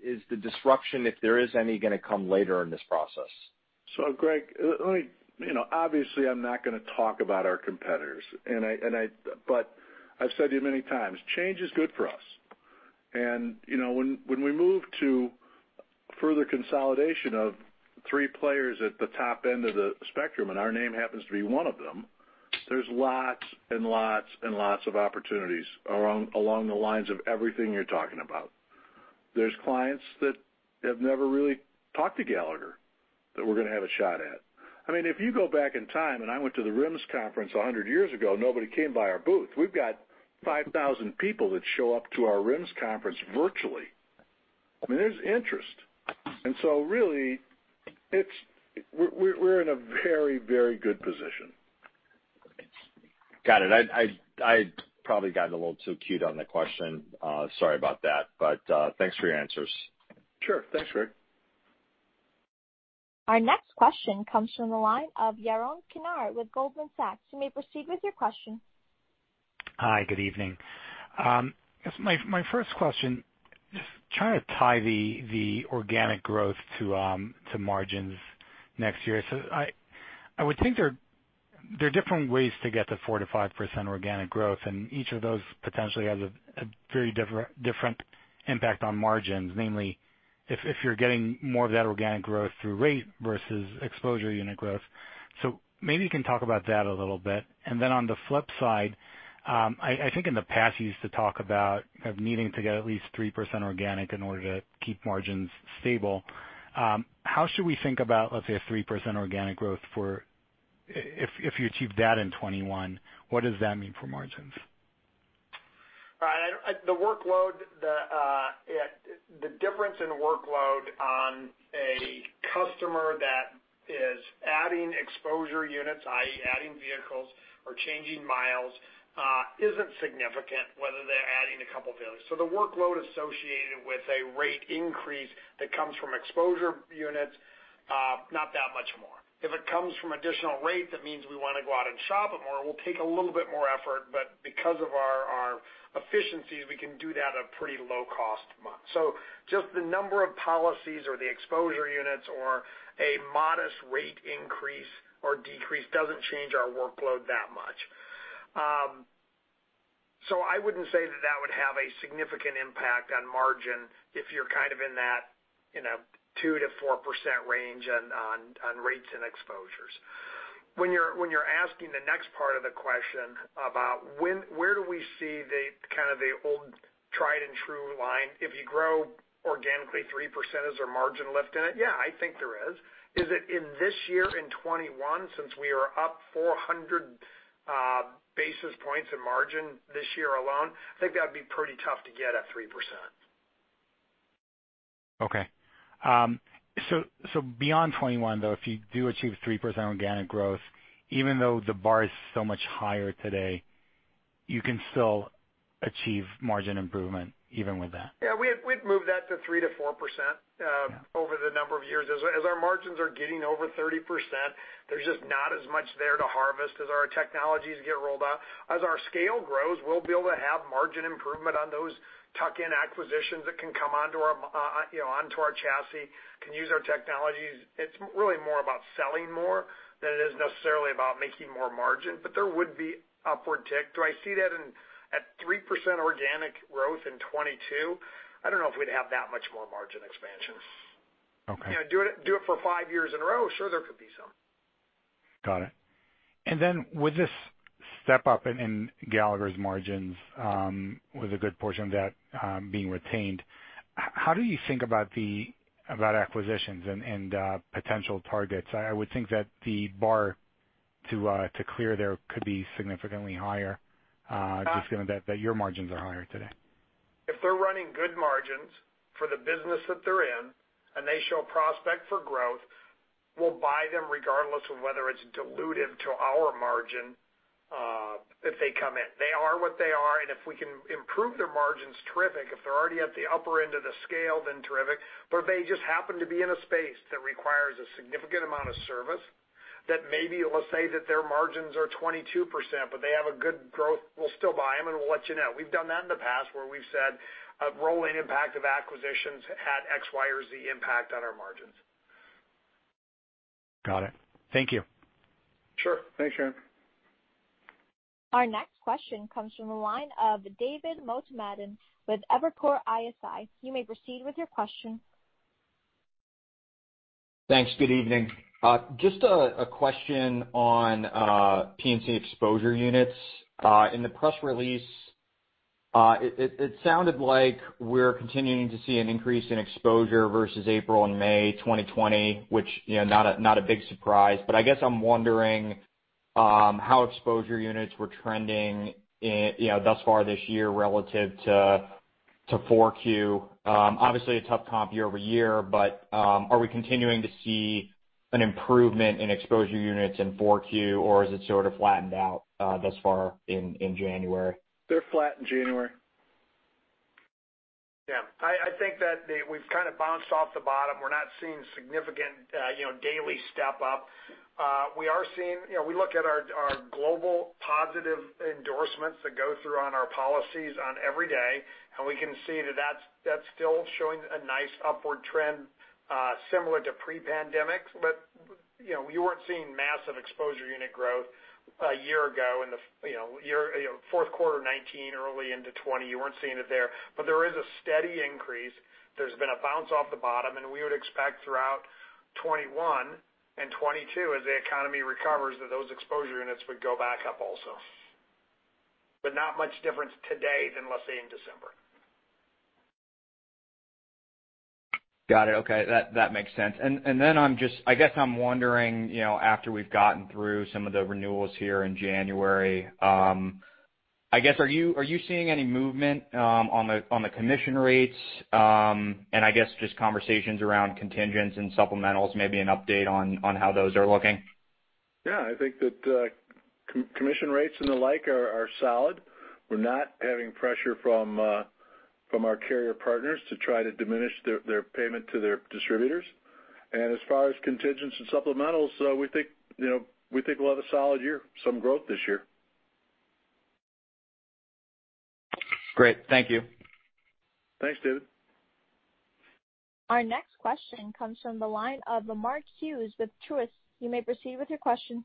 Is the disruption, if there is any, going to come later in this process? Greg, obviously, I'm not going to talk about our competitors. I've said to you many times, change is good for us. When we move to further consolidation of three players at the top end of the spectrum and our name happens to be one of them, there's lots and lots and lots of opportunities along the lines of everything you're talking about. There's clients that have never really talked to Gallagher that we're going to have a shot at. I mean, if you go back in time and I went to the RIMS conference 100 years ago, nobody came by our booth. We've got 5,000 people that show up to our RIMS conference virtually. I mean, there's interest. We're in a very, very good position. Got it. I probably got a little too cute on the question. Sorry about that. Thanks for your answers. Sure. Thanks, Greg. Our next question comes from the line of Yaron Kinar with Goldman Sachs. You may proceed with your question. Hi. Good evening. My first question, just trying to tie the organic growth to margins next year. I would think there are different ways to get the 4-5% organic growth. Each of those potentially has a very different impact on margins, namely if you're getting more of that organic growth through rate versus exposure unit growth. Maybe you can talk about that a little bit. On the flip side, I think in the past, you used to talk about needing to get at least 3% organic in order to keep margins stable. How should we think about, let's say, a 3% organic growth for if you achieve that in 2021? What does that mean for margins? Right. The difference in workload on a customer that is adding exposure units, i.e., adding vehicles or changing miles, isn't significant whether they're adding a couple of vehicles. The workload associated with a rate increase that comes from exposure units, not that much more. If it comes from additional rate, that means we want to go out and shop it more. It will take a little bit more effort. Because of our efficiencies, we can do that at a pretty low-cost month. Just the number of policies or the exposure units or a modest rate increase or decrease does not change our workload that much. I would not say that that would have a significant impact on margin if you are kind of in that 2-4% range on rates and exposures. When you are asking the next part of the question about where do we see kind of the old tried-and-true line, if you grow organically 3%, is there margin lift in it? Yeah, I think there is. Is it in this year, in 2021, since we are up 400 basis points in margin this year alone? I think that would be pretty tough to get at 3%. Okay. Beyond 2021, though, if you do achieve 3% organic growth, even though the bar is so much higher today, you can still achieve margin improvement even with that? Yeah. We'd move that to 3-4% over the number of years. As our margins are getting over 30%, there's just not as much there to harvest as our technologies get rolled out. As our scale grows, we'll be able to have margin improvement on those tuck-in acquisitions that can come onto our chassis, can use our technologies. It's really more about selling more than it is necessarily about making more margin. There would be upward tick. Do I see that at 3% organic growth in 2022? I don't know if we'd have that much more margin expansion. Do it for five years in a row? Sure, there could be some. Got it. With this step-up in Gallagher's margins, with a good portion of that being retained, how do you think about acquisitions and potential targets? I would think that the bar to clear there could be significantly higher just given that your margins are higher today. If they're running good margins for the business that they're in and they show prospect for growth, we'll buy them regardless of whether it's dilutive to our margin if they come in. They are what they are. If we can improve their margins, terrific. If they're already at the upper end of the scale, then terrific. If they just happen to be in a space that requires a significant amount of service that maybe, let's say, that their margins are 22%, but they have a good growth, we'll still buy them and we'll let you know. We've done that in the past where we've said a rolling impact of acquisitions had X, Y, or Z impact on our margins. Got it. Thank you. Sure. Thanks, Yaron. Our next question comes from the line of David Motemaden with Evercore ISI. You may proceed with your question. Thanks. Good evening. Just a question on P&C exposure units. In the press release, it sounded like we're continuing to see an increase in exposure versus April and May 2020, which is not a big surprise. I guess I'm wondering how exposure units were trending thus far this year relative to 4Q. Obviously, a tough comp year-over-year, but are we continuing to see an improvement in exposure units in Q4, or has it sort of flattened out thus far in January? They're flat in January. Yeah. I think that we've kind of bounced off the bottom. We're not seeing significant daily step-up. We are seeing—we look at our global positive endorsements that go through on our policies on every day, and we can see that that's still showing a nice upward trend similar to pre-pandemic. You were not seeing massive exposure unit growth a year ago in the Q4 2019, early into 2020. You were not seeing it there. There is a steady increase. There has been a bounce off the bottom. We would expect throughout 2021 and 2022, as the economy recovers, that those exposure units would go back up also. Not much difference today than, let's say, in December. Got it. Okay. That makes sense. I guess I'm wondering, after we've gotten through some of the renewals here in January, are you seeing any movement on the commission rates? I guess just conversations around contingents and supplementals, maybe an update on how those are looking? Yeah. I think that commission rates and the like are solid. We're not having pressure from our carrier partners to try to diminish their payment to their distributors. As far as contingents and supplementals, we think we'll have a solid year, some growt h this year. Great. Thank you. Thanks, David. Our next question comes from the line of Mark Hughes with Truist. You may proceed with your question.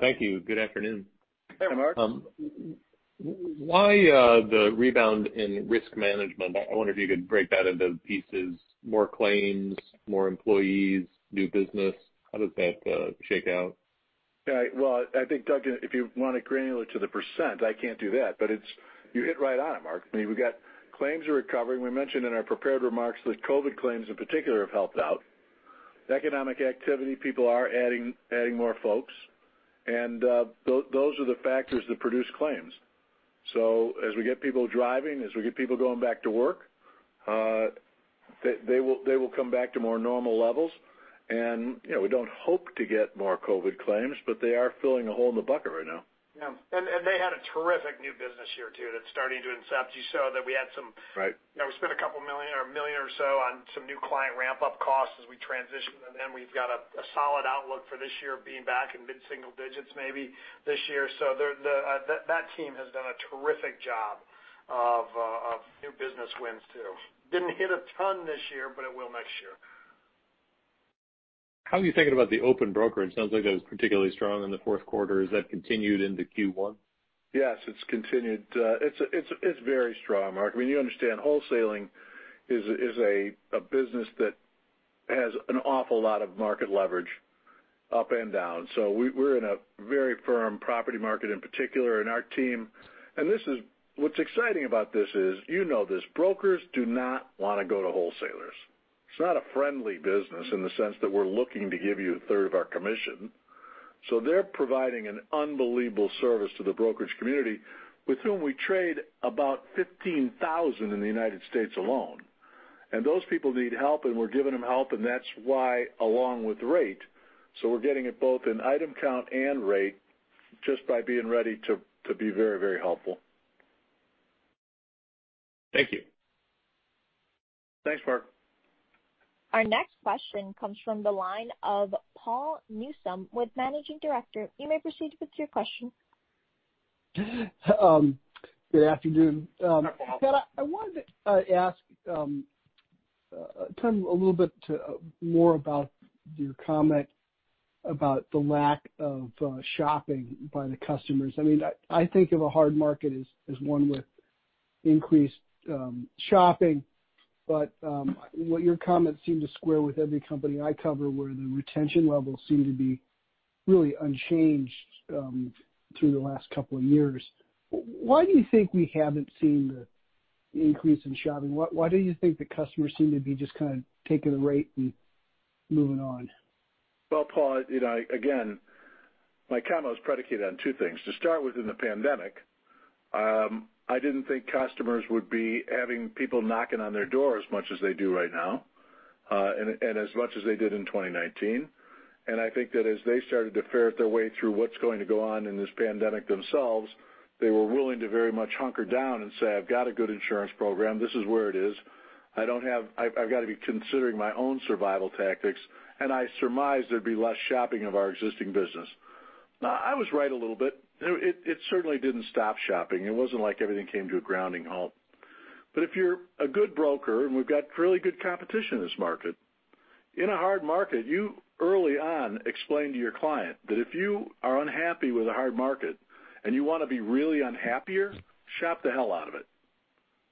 Thank you. Good afternoon. Hey, Mark. Why the rebound in Risk Management?I wonder if you could break that into pieces: more claims, more employees, new business. How does that shake out? I think, Doug, if you want to granular to the percent, I can't do that. You hit right on it, Mark. I mean, we've got claims are recovering. We mentioned in our prepared remarks that COVID claims in particular have helped out. Economic activity, people are adding more folks. Those are the factors that produce claims. As we get people driving, as we get people going back to work, they will come back to more normal levels. We don't hope to get more COVID claims, but they are filling a hole in the bucket right now. Yeah. They had a terrific new business year too that's starting to incept. You saw that we had some—we spent a couple of million or a million or so on some new client ramp-up costs as we transitioned. Then we've got a solid outlook for this year of being back in mid-single digits maybe this year. That team has done a terrific job of new business wins too. Didn't hit a ton this year, but it will next year. How are you thinking about the open broker? It sounds like that was particularly strong in the Q4. Has that continued into Q1? Yes. It's continued. It's very strong, Mark. I mean, you understand wholesaling is a business that has an awful lot of market leverage up and down. We are in a very firm property market in particular in our team. What's exciting about this is, you know this, brokers do not want to go to wholesalers. It's not a friendly business in the sense that we're looking to give you a third of our commission. They're providing an unbelievable service to the brokerage community with whom we trade about 15,000 in the United States alone. Those people need help, and we're giving them help. That's why, along with rate, we're getting it both in item count and rate just by being ready to be very, very helpful. Thank you. Thanks, Mark. Our next question comes from the line of Paul Newsome with Managing Director. You may proceed with your question. Good afternoon. Good afternoon. I wanted to ask a little bit more about your comment about the lack of shopping by the customers. I mean, I think of a hard market as one with increased shopping. Your comments seem to square with every company I cover where the retention levels seem to be really unchanged through the last couple of years. Why do you think we haven't seen the increase in shopping? Why do you think that customers seem to be just kind of taking the rate and moving on? Paul, again, my comment was predicated on two things. To start with, in the pandemic, I didn't think customers would be having people knocking on their door as much as they do right now and as much as they did in 2019. I think that as they started to ferret their way through what's going to go on in this pandemic themselves, they were willing to very much hunker down and say, "I've got a good insurance program. This is where it is. I've got to be considering my own survival tactics. I surmise there'd be less shopping of our existing business. I was right a little bit. It certainly didn't stop shopping. It wasn't like everything came to a grounding halt. If you're a good broker and we've got really good competition in this market, in a hard market, you early on explain to your client that if you are unhappy with a hard market and you want to be really unhappier, shop the hell out of it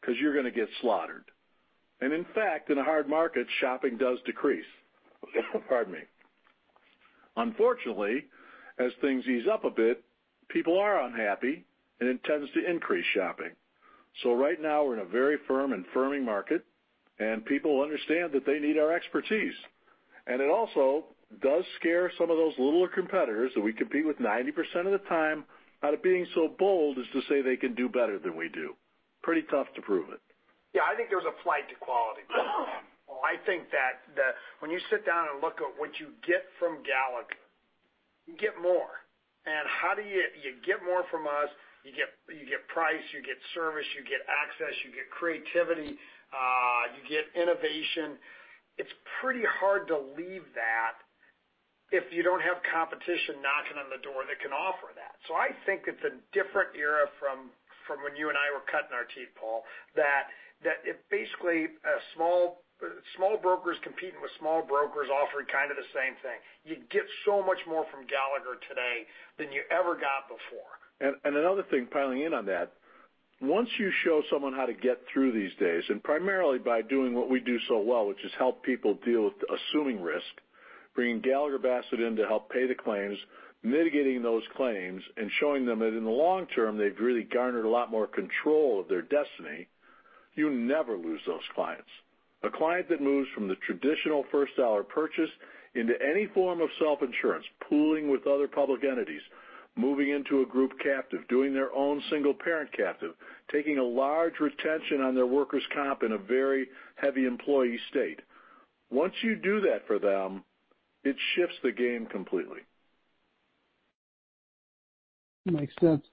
because you're going to get slaughtered. In fact, in a hard market, shopping does decrease. Pardon me. Unfortunately, as things ease up a bit, people are unhappy, and it tends to increase shopping. Right now, we're in a very firm and firming market, and people understand that they need our expertise. It also does scare some of those littler competitors that we compete with 90% of the time out of being so bold as to say they can do better than we do. Pretty tough to prove it. Yeah. I think there's a flight to quality with this. I think that when you sit down and look at what you get from Gallagher, you get more. And how do you get more from us? You get price, you get service, you get access, you get creativity, you get innovation. It's pretty hard to leave that if you don't have competition knocking on the door that can offer that. I think it's a different era from when you and I were cutting our teeth, Paul, that it's basically small brokers competing with small brokers offering kind of the same thing. You get so much more from Gallagher today than you ever got before. Another thing piling in on that, once you show someone how to get through these days, and primarily by doing what we do so well, which is help people deal with assuming risk, bringing Gallagher Bassett in to help pay the claims, mitigating those claims, and showing them that in the long term, they've really garnered a lot more control of their destiny, you never lose those clients. A client that moves from the traditional first dollar purchase into any form of self-insurance, pooling with other public entities, moving into a group captive, doing their own single parent captive, taking a large retention on their workers' comp in a very heavy employee state, once you do that for them, it shifts the game completely. Makes sense.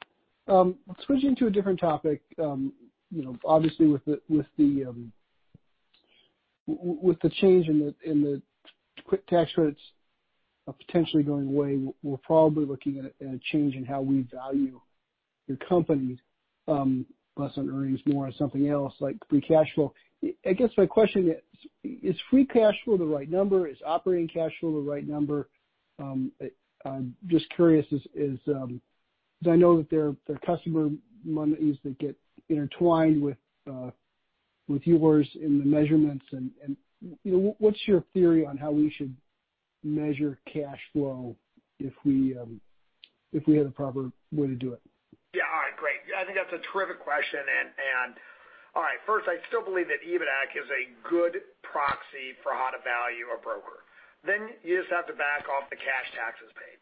Switching to a different topic, obviously, with the change in the quick tax credits potentially going away, we're probably looking at a change in how we value your company. Less on earnings, more on something else like free cash flow. I guess my question is, is free cash flow the right number? Is operating cash flow the right number? I'm just curious because I know that there are customer monies that get intertwined with yours in the measurements. What's your theory on how we should measure cash flow if we have a proper way to do it? Yeah. All right. Great. Yeah. I think that's a terrific question. All right. First, I still believe that EBITDA is a good proxy for how to value a broker. Then you just have to back off the cash taxes paid.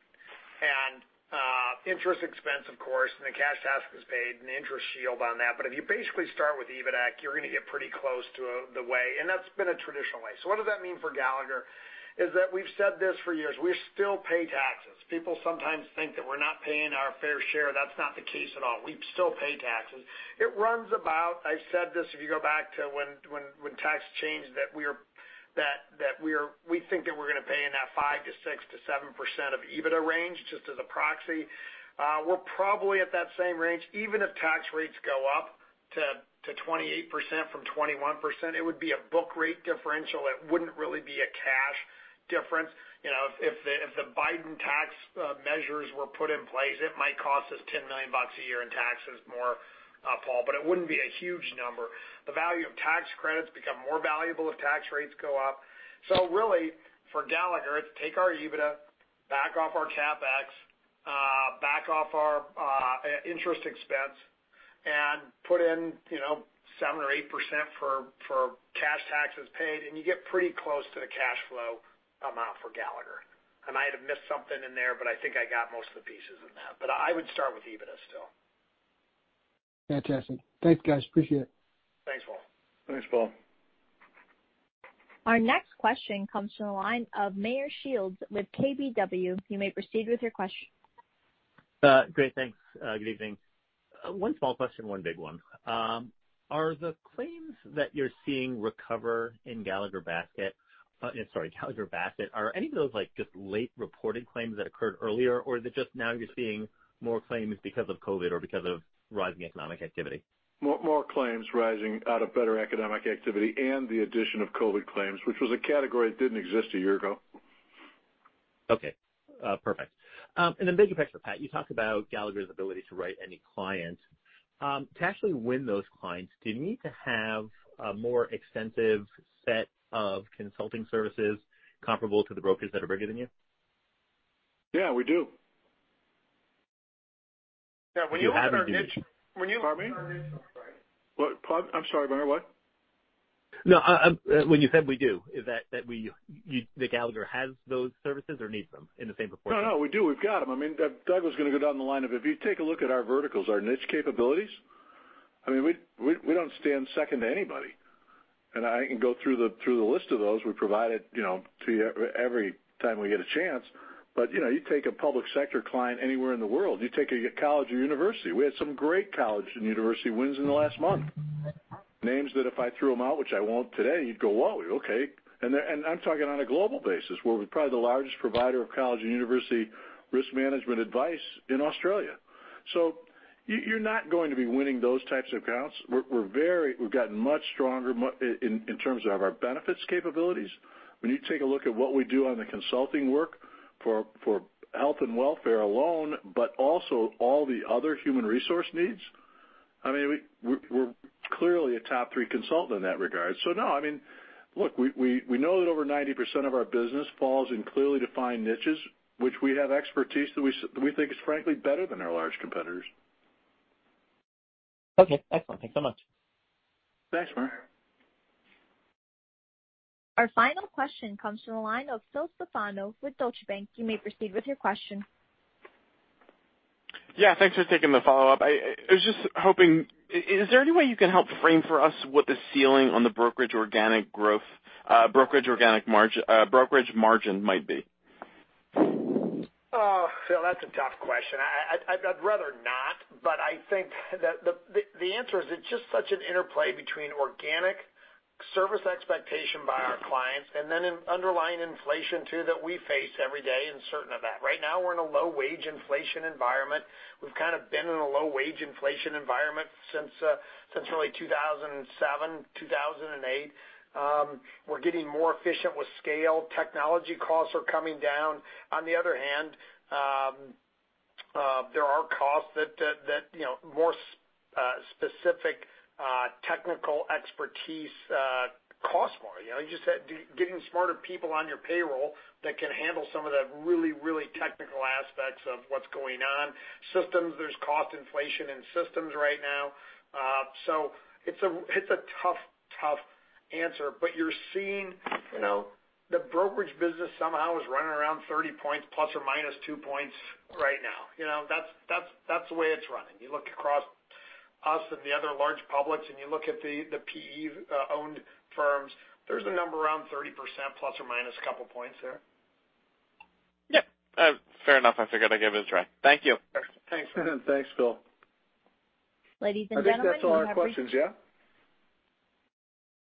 Interest expense, of course, and the cash taxes paid and the interest shield on that. If you basically start with EBITDA, you're going to get pretty close to the way. That's been a traditional way. What does that mean for Gallagher? We've said this for years. We still pay taxes. People sometimes think that we're not paying our fair share. That's not the case at all. We still pay taxes. It runs about—I have said this—if you go back to when tax changed, we think that we're going to pay in that 5%-6%-7% of EBITDA range just as a proxy. We're probably at that same range. Even if tax rates go up to 28% from 21%, it would be a book rate differential. It would not really be a cash difference. If the Biden tax measures were put in place, it might cost us $10 million a year in taxes more, Paul. It would not be a huge number. The value of tax credits becomes more valuable if tax rates go up. For Gallagher, it is take our EBITDA, back off our CapEx, back off our interest expense, and put in 7% or 8% for cash taxes paid. You get pretty close to the cash flow amount for Gallagher. I might have missed something in there, but I think I got most of the pieces in that. I would start with EBITDA still. Fantastic. Thanks, guys. Appreciate it. Thanks, Paul. Thanks, Paul. Our next question comes from the line of Meyer Shields with KBW. You may proceed with your question. Great. Thanks. Good evening. One small question, one big one. Are the claims that you're seeing recover in Gallagher Bassett—sorry, Gallagher Bassett—are any of those just late reported claims that occurred earlier, or is it just now you're seeing more claims because of COVID or because of rising economic activity? More claims rising out of better economic activity and the addition of COVID claims, which was a category that didn't exist a year ago. Okay. Perfect. In the bigger picture, Pat, you talked about Gallagher's ability to write any client. To actually win those clients, do you need to have a more extensive set of consulting services comparable to the brokers that are bigger than you? Yeah. We do. Yeah. When you open our— pardon me? I'm sorry. I'm sorry. I'm sorry. What? No. When you said we do, that Gallagher has those services or needs them in the same proportion. No, no. We do. We've got them. I mean, Doug was going to go down the line of, if you take a look at our verticals, our niche capabilities, I mean, we do not stand second to anybody. I can go through the list of those. We provide it to you every time we get a chance. You take a public sector client anywhere in the world. You take a college or university. We had some great college and university wins in the last month. Names that if I threw them out, which I will not today, you would go, "Whoa. Okay." I am talking on a global basis where we are probably the largest provider of college and university Risk Management advice in Australia. You are not going to be winning those types of accounts. We have gotten much stronger in terms of our benefits capabilities. When you take a look at what we do on the consulting work for health and welfare alone, but also all the other human resource needs, I mean, we're clearly a top three consultant in that regard. No. I mean, look, we know that over 90% of our business falls in clearly defined niches, which we have expertise that we think is frankly better than our large competitors. Okay. Excellent. Thanks so much. Thanks, Meyer. Our final question comes from the line of Phil Stefano with Deutsche Bank. You may proceed with your question. Yeah. Thanks for taking the follow-up. I was just hoping—is there any way you can help frame for us what the ceiling on the brokerage organic growth, brokerage organic margin might be? Oh, Phil, that's a tough question. I'd rather not. I think that the answer is it's just such an interplay between organic service expectation by our clients and then an underlying inflation too that we face every day and certain of that. Right now, we're in a low-wage inflation environment. We've kind of been in a low-wage inflation environment since really 2007, 2008. We're getting more efficient with scale. Technology costs are coming down. On the other hand, there are costs that more specific technical expertise costs more. You just said getting smarter people on your payroll that can handle some of the really, really technical aspects of what's going on. Systems, there's cost inflation in systems right now. It's a tough, tough answer. You're seeing the brokerage business somehow is running around 30 percentage points plus or minus 2 percentage points right now. That's the way it's running. You look across us and the other large publics, and you look at the PE-owned firms, there's a number around 30% plus or minus a couple of points there. Yeah. Fair enough. I figured I'd give it a try. Thank you. Thanks. Thanks, Phil. Ladies and gentlemen, I think that's all our questions. Yeah?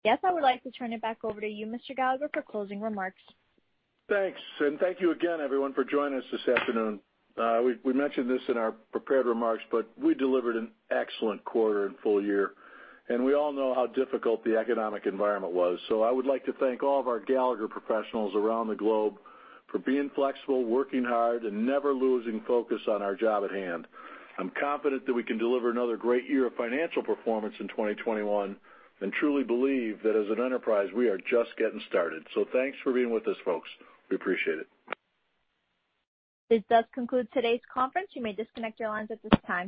Yes. I would like to turn it back over to you, Mr. Gallagher, for closing remarks. Thanks. Thank you again, everyone, for joining us this afternoon. We mentioned this in our prepared remarks, but we delivered an excellent quarter and full year. We all know how difficult the economic environment was. I would like to thank all of our Gallagher professionals around the globe for being flexible, working hard, and never losing focus on our job at hand. I'm confident that we can deliver another great year of financial performance in 2021 and truly believe that as an enterprise, we are just getting started. Thanks for being with us, folks. We appreciate it. This does conclude today's conference. You may disconnect your lines at this time.